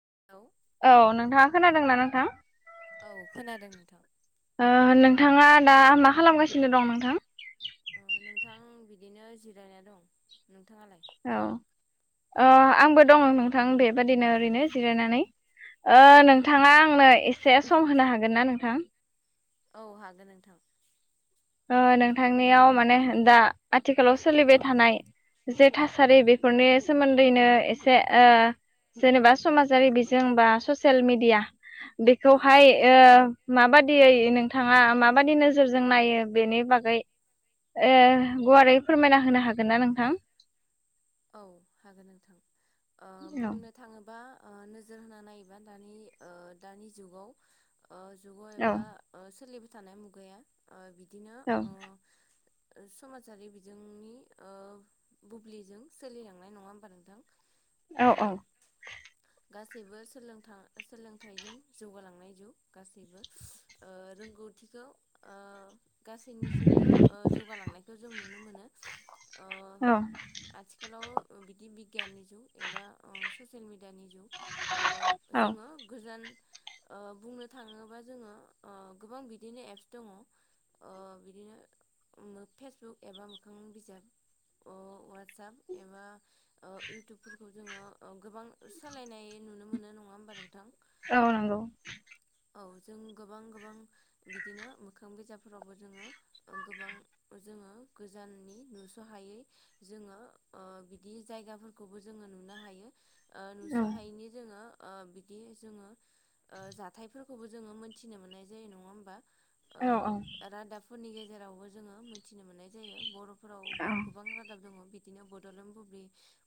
[unintelligible] औ नोंथाङा खोनादोंना नोंथां? औ खोनादों नोंथां। ओ नोंथाङा दा मा खालामगासिनो दं नोंथां? नोंथां बिदिनो जिरायनाय दं नोंथाङालाय? औ अ आंबो दङ नोंथां बेबादिनो ओरैनो जिरायनानै। ओ औ नोंथाङा आंनो एसे सम होनो हागोन ना नोंथां? औ हागोन नोंथां। ओ नोंथांनियाव माने दा आथिखालाव सोलिबाय थानाय जे थासारि बेफोरनि सोमोन्दैनो एसे ओ जेनेबा समाजारि बिजों बा ससेल मिडिया औ बेखौहाय माबाददियै नोंथाङा माबायदि नोजोरजों नायो? बेनि बागै ओह गुवारै फोरमायना होनो हागोन ना नोंथां? औ हागोन नोंथां ओ औ बुंनो थाङोबा ओ नोजोर होनानै नायोबा ओ दानि दानि जुगाव ओ जुगाव औ एबा ओ सोलिबाय थानाय मुगाया बिदिनो औ समाजारि बिजोंनि ओ बुब्लिजों सोलिलांनाय नङा होमबा नोंथां? औ ओ औ। गासैबो सोलोंथ सोलोंथाइजों जौगालांनाय जौ गासैबो रोंगौ थिखौ ओ गासैनिसिमबो ओ जौगालांनायखो जों नुनो मोनो। ओ औ। आथिखालाव ओ बिदि बिगियाननि जुग एबा ओ ससेयल मिड दियानि जुग औ ओ जोङो गोजान ओ बुंनो थाङोबा जोङो ओ गोबां बिदिनो एप्स दङ'। ओ बिदिनो मो फेसबुक एबा मोखां बिजाब अ वा वाटसाप एबा ओ इउटुबफोरखौ जोङो ओ गोबां सालायनाय नुनो मोनो नङा हो होम्बा नोंथां। औ नंगौ। औ जों गोबां गोबां बिदिनो मोखां बिजाबफोरावबो जोङो ओ गोबां ओज जोङो गोजाननि नुस' हायै जोङो ओ बिदि जायगाफोरखौबो जोङो नुनो हायो ओ औ नुस' हायिनि जोङो ओ बिदि जोङो ओ जाथायफोरखौबो जोङो मोनथिनो मोन्नाय जायो नङा होम्बा? औ ओ रादाबफोरनि गेजेरावबो जोङो मोन्थिनो मोन्नाय जायो बर' फ फोरावबो गोबां राद दङ' बिनो बड'लेण्ड बुब्लि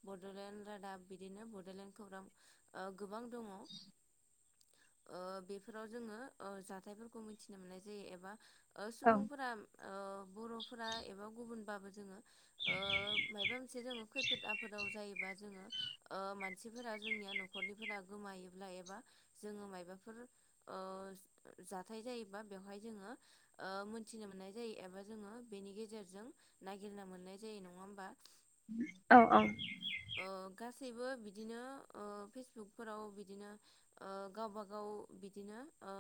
बड'लेण्ड रादाब बिदिनो बड'लेण्ड खौराम ओ गोबा बां दङ'। ओ बेफोराव जोङो ओ जाथायफोरखौ मिन्थिनो मोन्नाय जायो एबा ओ औ सुबुंफोरा ओ बर'फोरा एबा गुबुनबाबो जोङो ओ बा जोङो ओ मानसिफोरा जोंनिया नखरनिफोरा गोमायोब्ला एबा जोङो मायबाफोर ओ ज-जाथाय जायोबा बेवहाय जोङो ओ मोन्थिनो मोन्नाय जायो एबा जों जोङो बेनि गेजेरजों नायागिरना मोननाय जायो नङा होमबा। औ औ। सैबो बिदिनो ओ फेसबुकफोराव बिदिनो ओ गावबा गाव बिदिनो अ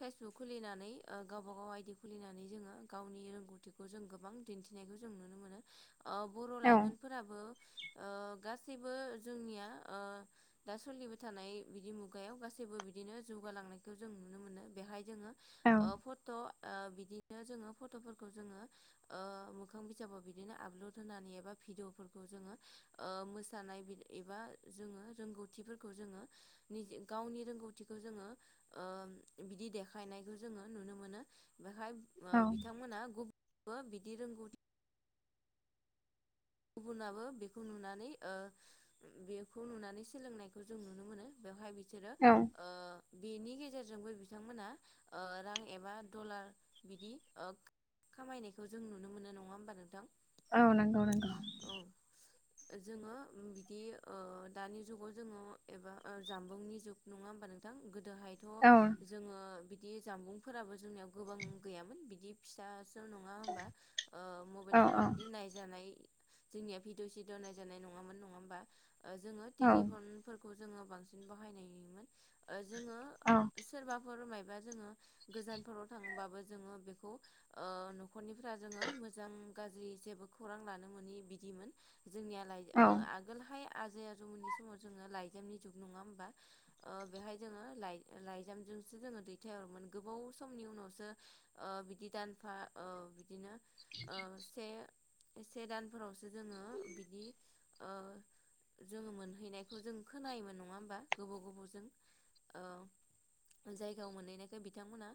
फेसबुक खुलिनानै ओ गावबा गाव आयदि खुलिनानै जोङो गावनि रोंगौथिखौ जों गोबां दिन्थिनाय ख खौ जों नुनो मोनो। अ बर' लाइमोनफोराबो ओ अ गासैबो जोंनिया ओ दा सोलिबाय थानाय बिदि मुगायाव गासैबो बिदिनो ज जौगालांनायखौ जों नुनो मोनो बेहाय जोङो ओ फट' ओ बिदिनो जोङो फट'फोरखौ जोङो ओ मोखां बिजाबाव बिद दिनो आबलद होनानै एबा भिदिअ'फोरखौ जोङो ओ मोसानाय बि एबा जोङो रोंग गौथिफोरखौ जोङो निजि गावनि रोंगौथिखो जोङो ओ बिदि देखायनायखो जोङो नुनो मोनो बेखायब ओ औ बिथांमोना गुब बिदि रोंगौथि गुबुनाबो बेखौ नुनानै ओ उम बेखौ नुनानै सोलोंनायखौ जों नुनो मोनो बेवहाय बि सोरो औ ओ बेनि गेजेरजोंबो बिथांमोना ओ रां एबा डलार बिदि ओ ख खामायनायखौ जों नुनो मोनो नङा होम्बा नोंथां? औ नोंगौ नोंगौ। ओ जोङो उम बिदि ओ दानि जुगाव जोङो एबा ओ जाम्बुंनि जुग नङा होम्बा नोंथां गोद दोहायथ' औ जोङो बिदि जाम्बुंफोराबो जोंनियाव गोबां गैयामोन बिदि फिसा स सो नङा होमबा ओ औ मबेलफोरा औ बिदि नायजानाय जोंनिया भिडिअ' सिडिअ' नायजानाय नङामोन नङा होम्बा ओ जोङो औ टेलिफन फोर खौ जोङो बांसिन बाहायनायमोन ओ जोङो सोरबाफोर मायब बा जोङो गोजानफोराव थांबाबो जोङो बेखौ ओ न'खरनिफ्रा जोङो मोजां गाज्रि जेबो खौरां लानो मोनि बिदिमोन जोंनियालाय ओ आगोलहाय आ आजै आजौमोननि समाव जोङो लायजामनि जुग नङा होम्बा ओ बेहाय जोङो लाय लायजाम जु जोसो जोङो दैथाय हरोमोन गोबाव समनि उनावसो ओ बिदि दानफा ओ बिदिनो ओ से से दानफोरावसो जोङो बिदि ओ जोङो मोनहैनायखौ जों खोनायोमोन नङा होम्बा गोबाव गोबावजों ओ जायगायाव मोनहैनायखाय बिथांमोना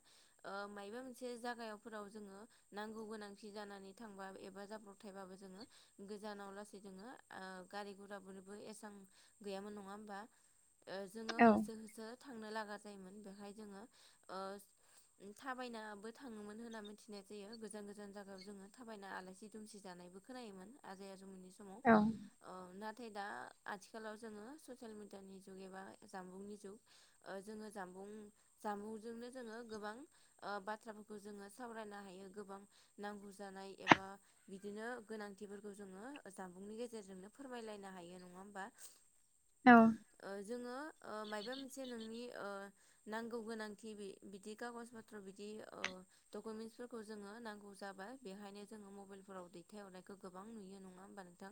ओ मायबा मोनसे जागायावफोराव जोङो नांगौगोन गोनांथि जानानै थांबा एबा जाब्रब थायबाबो जोङो गोजानाव लासै जोङो ओ गारि गुराफोरबो एसां गैयामोन नङा बा ओ जोङो औ होसो होसो थांनो लागा जायोमोन बेहाय जोङो ओस थाबायनाबो थाङोमोन होनना मिथिनाय जायो गोजान गोजान जागायाव जोङो थाबायना आलासि दुमसिज जानायबो खोनायोमोन आजै आजौ मोननि समाव औ ओ नाथ थाय दा आथिखालाव जोङो ससियेल मिडिया नि जुग एबा जामबुंनि जुग ओ जोङो जानबु बुं जामबुंजोंनो जोङो गोबां ओ बाथ्राफोरखौ जोङो सावरायनो हायो गोबां नांगौ जानाय एबा बिदिनो गोनांथिफोरखौ जोङो ओ जानबुंनि गेजेरजोंनो फोरमायलायनो हायो नङा होमबा? ओ जोङो ओ मायबा मोनसे नोंनि ओ नांगौ गोनांथि बि बिदि कागज पत्र बिदि ओ दकमेन्टस फोरखौ जोङो नांगौ जाबा बा बेहायनो जोङो मबेलफोराव दैथायहरनायखौ गोबां नुयो नङा होमबा नोंथां?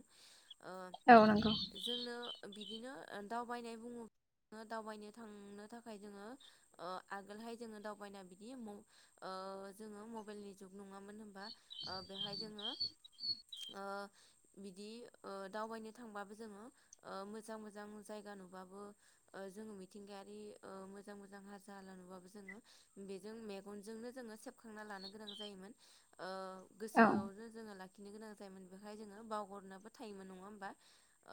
नंगौ ओ जोंनो बिदिनो ओ दावबायनाय बुङोब ओ दावबायनो थांनो थाखाय जोङो ओ आगोलहाय जोङो दावबायना बिदि मुं ओ ओ जोङो मबेलनि जुग नङामोन होमबा ओ बेहाय जोङो ओ बिदि ओ दावबायनो थांबाबो जोङो ओ मोजां मोजां मो जायगा गा नुबाबो ओ जोङो‌ मिथिंगायारि ओ मोजां मोजां हाजो हाला नुबा बो जोङो उम बेजो जों मेगन जोंनो जोङो सेबखांना लानो गोनां जायोमोन ओ औ गोसोआवनो जोङो लाखिनो गोनां जायोमोन बेहाय जोङो बावगरनाबो थायोमोन नङा होमबा?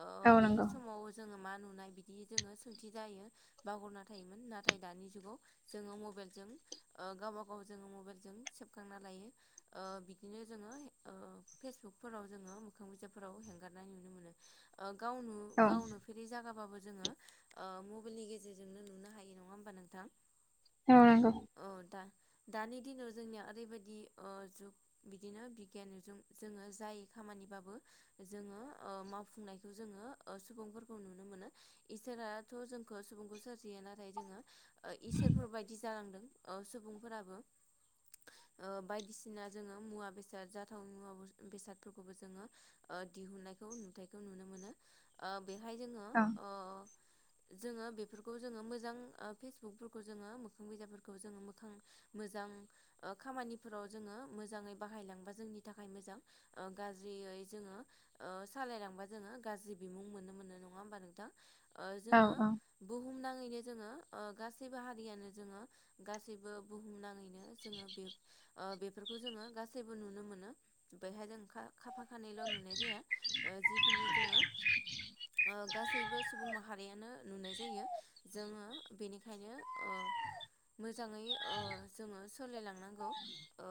ओ औ नंगौ औ बे नंगौ समाव जोङो मा नुन नाय बिदि जोङो सोंथि जायो बावगरना थायोमोन नाथाय दानि जुगाव जोङो मबेलजों ओ गावबा गाव जोङो मबेलजों सेबखांना लायो ओ बि बिदिनो जोङो ओ फेसबुकफोराव जोङो मोखां बिजाबफोराव हेंगारनाय नुनो मोनो। ओ गाव नु औ गावनो नुफेरि जागाबाबो जोङो ओ मबाइलनि गेजेरजोंनो नुनो हायो नङा होमबा नोंथां। औ दा दानि दिनाव जोंनिया ओरै बायदि ओ जुग बिदिनो बिगियानजों जोङो जाय खामानिबाबो जोङो ओ मावफुंनायखौ जों ङो ओ सुबुंफोरखौ नुनो मोनो इसोराथ' जोंखौ सुबुंखौ सोरजियो नाथाय जोङो ओ इसोरफोर बायदि जालांदों ओ सुबुंफोराबो ओ बायदिसिना जोङो मुवा बेसाद जाथावनि मुवा बुस्त बेसादफोरखौबो जोङो दिहुनायखौ नुथाइखौ नुनो मोनो। ओ बेहाय जोङो ओ जोङो बेफोरखौ जोङो मोजां ओ फेसबुकफोरखौ जोङो मोखां बिजाबफोरखौ जोङो मोखां मो जां ओ खामानिफोराव जोङो मोजाङै बाहायलांबा जोंनि थाखाय मोजां ओ गाज्रियै जोङो ओ सालायलांबा जोङो गाज्रि बिमुं मोननो मोनो नङा होमबा नोंथां ओ औ जोङो बुहुमनांङैनो जोङो ओ गासैबो हारियानो जोङो गासैबो बुहुमनांङैनो जोङो बे ओ बेफोर खौ जोङो गासैबो नुनो मोनो बेहाय जों खा फा खानैल' नुनाय जाया ओ जिखिनि जोङो ओ गासैबो सुबुं माहारियानो नुनाय जायो जोङो बेनिखायनो ओ मोजाङै ओ जोङो सोलिलांनांगौ ओ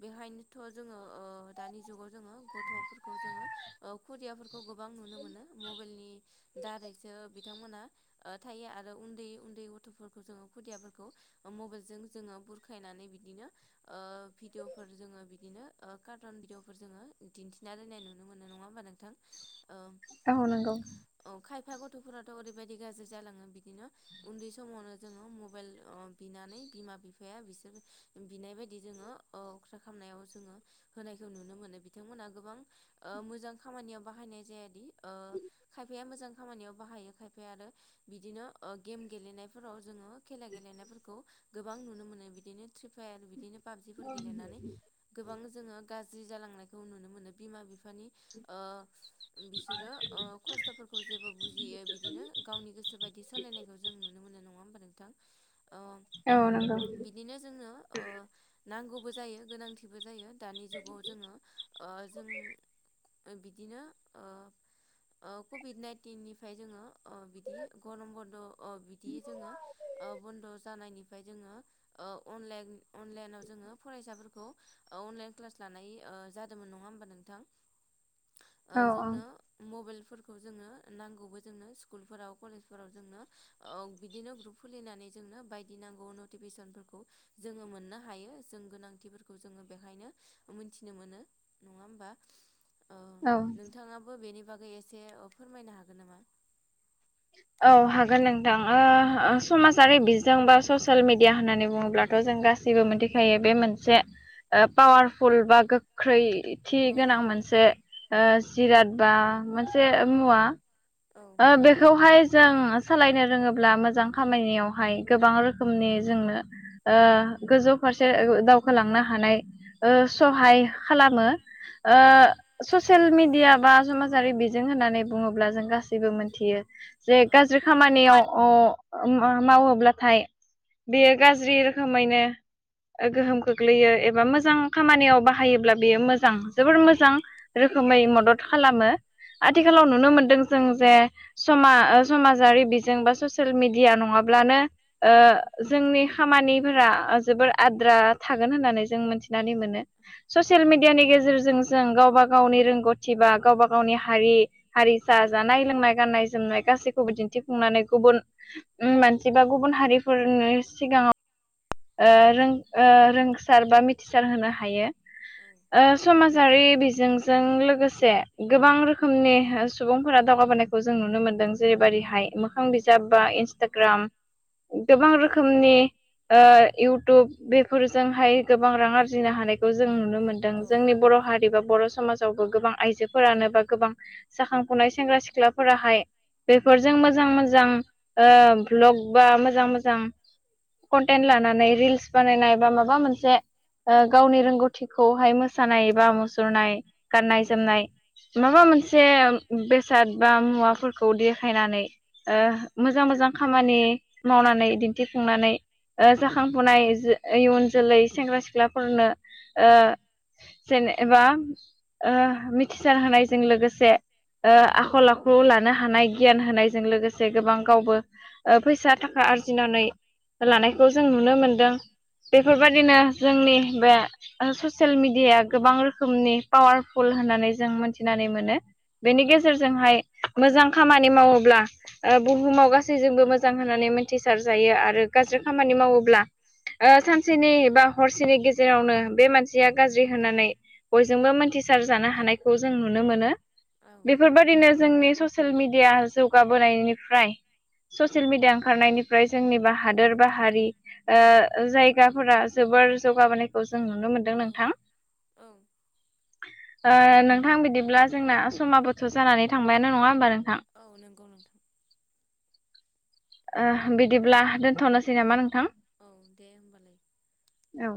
बेहायनोथ' जोङो ओ दानि जुगाव जोङो गथ'फोरखौ जोङो ओ खुदियाफोरखौ गोबां नुनो मोनो मबाइलनि दारैसो बिथांमोना ओ थायो आरो उन्दै उन्दै दै गथ'फोरखौ जोङो खुदियाफोरखौ मबाइलजों जोङो बुरखायनानै बिदिनो ओ भिदिअफोर जोङो बिदिनो ओ कार्टन भिदिअफोर जोङो दिन्थिना दोननाय नुनो मोनो नङा होमबा नोंथां। ओ औ नंगौ। औ खायफा गथ'फोराथ' ओरैबायदि गाज्रि जालाङो बिदिनो उन्दै समावनो जोङो मबाइल ओ बिनानै बिमा बिफाया बिसोर बिनाय बायदि जोङो औ अख्रा खालामनायाव जोङो होनायखौ नुनो मोनो। बिथांमोनहा गोबां ओ मोजां खामानियाव बाहाय नाय जाया दि ओ खायफाया मोजां खामानियाव बाहायो खायफाया आरो बिदिनो ओ गेम गेलनाय फोराव जोङो खेला गेलेनायफोरखौ गोबां नुनो मोनो। बिदिनो फ्रि फायार बिदिनो पाबजिफोर गेलेनानै गोबां जोङो गाज्रि जालांनायखौ नुनो मोनो बिमा बिफा नि ओ बिसोरो ओ खस्थ'फोरखौ जेबो बुजियै बिदिनो गावनि गोसो गोसो बायदि सोलायनायखौ जों नुनो मोनो नङा होमबा नों थां ओ नंगौ बिदिनो जोङो ओ नांगौबो जायो गोनांथिबो जायो दानि जुगाव जोङो ओ जों ओ बिदिनो ओ ओ कभिड नाइनटिननिफ्राय जोङो अ बिदि गरम बन्द' अ बिदि जोङो ओ बन्द' जानायनि थाखाय जोङो ओ अनलाइन अनलाइनाव जोङो फरायसाफोरखौ ओ अनलाइ क्लास लानाय ओ जादोंमोन नङा होमबा नोंथां? ओ औ जोंनो मबाइल फोरखौ जोंङो नांगौबो जोंनो स्कुल फोराव कलेज फोराव जोंनो ओ बिदिनो ग्रुप खुलिनानै जोंनो बायदि नांगौ नटिफिकेशन जोङो मोननो हायो। जों गोनांथिफोरखौ जोङो बेहायनो मोनथिनो मोनो नङा होमबा? औ नोंथाङाबो बेनि बागै एसे ओ फोरमायनो हागोन नामा? औ हागोन नोंथां ओ ओ औ समाजारि बिजों बा ससियेल मिडिया होननानै बुङोब्लाथ' जों गासै बो मोनथिखायो बे मोनसे ओ पावारफुल बा गोख्रै थि औ गोनां मोनसे ओ जिराद बा मोनसे मुवा औ ओ बेखौहाय जों सालायनो रोङोब्ला मोजां खामायानियावहाय गोबां रोखोमनि जोंनो ओ गोजौ फारसे दावखोलांनो हानाय ओ सहाय खालामो ओ औ ससियेल मिडिया बा समाजारि बिजों होननानै बुङोब्ला जों गासै बो मोनथियो जे औ गाज्रि खामानियाव अ उम ओ मावोब्लाथाय बेयो गाज्रि रोखोमैनो ओ गोहोम खोख्लैयो एबा मोजां खामानियाव बाहायोब्ला बेयो मोजां जोबोर मोजां रोखोमै मदद खालामो औ आथिखालाव नुनो मोनदों जों जे समा ओ समाजारि बिजों बा ससियेल मिडिया नङाब्लानो ओ जोंनि खामानिफोरा ओ जोबोर आद्रा थागोन होननानै जों मोनथिनानै मोनो औ ससियेल मिडियानि गेजेरजों जों गावबा गावनि रोंगौथि बा गावबा गावनि हारि हारि सा जानाय लोंनाय गाननाय जोमनाय गासैखौबो दिन्थिफुंनानै गुबुन उम मानसि बा गुबुन हारि फोरनि सिगाङाव ओ रों ओ रोंसार बा मिथिसार होनो हायो औ ओ समाजारि बिजोंजों लोगोसे गोबां रोखोमनि सुबुंफोरा दावगाबोनायखौ जों नुनो मोनदों जेरैबादिहाय मोखां बिजाब बा इन्स्टाग्राम गोबां रोखोमनि ओ इउटुब बेफोरजोंहाय गोबां रां आरजिनो हानायखौ जों नुनो मोनदों औ जोंनि बर' हारि बा बर' समाजावबो गोबां आइजोफोरानो बा गोबां जाखां फुनाय सेंग्रा सिख्लाफोराहाय बेफोरजों मोजां मोजां ओ भ्लग बा मोजां मोजां कन्टेन्ट लानानै रिल्स बानायनाय बा माबा मोनसे ओ गावनि रोंगौथिखौहाय मोसानाय बा मुसुरनाय गाननाय जोमनाय माबा मोनसे बेसाद बा मुवाफोरखौ देखायनानै ओ मोजां मोजां खामानि मावना नै दिन्थिफुंनानै ओ जाखांफुनाय इयुन जोलै सेंग्रा सिख्लाफोरनो ओ जेनेबा ओ मिथिसार होनायजों लोगोसे ओ आखल आखु लानो हानाय गियान होनायजों लोगोसे गोबां गावबो ओ फैसा थाखा खा आरजिनानै लानायखौ जों नुनो मोनदों बेफोरबायदिनो जोंनि बे ओ ससियेल मिडियाया गोबां रोखोमनि पावारफुल होननानै जों मोनथिनानै मोनो। बेनि गेजेरजोंहाय मोजां खामानि मावोब्ला ओ बुहुमाव गासैजोंबो मोजां होननानै मिथिसारजायो आरो गाज्रि खामानि मावोब्ला ओ सानसेनि बा हरसेनि गेजेरावनो बे मानसिया गाज्रि होनानै बयजोंबो मोनथिसार जानो हानायखौ जों नुनो मोनो औ बेफोरबायदिनो जोंनि ससियेल मिडिया जौगाबोनायनिफ्राय ससियेल मिडिया ओंखारनायनिफ्राय जोंनि बा हादोर बा हारि जायगाफोरा जोबोद जोबोर जौगा बोनायखौ जों नुनो मोनदों नोंथां औ ओ नोंथां बिदिब्ला जोंना समाबोथ' जानानै थांबायानो नङा होमबा नोंथां औ नंगौ नोंथां ओ बिदिब्ला दोनथ'नोसै नामा नोंथां औ दे होनबालाय औ